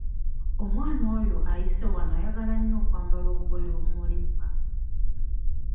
Omwana oyo ayise wano ayagala nnyo okwambala obugoye obumulippa.